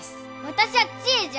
私は千恵じゃ。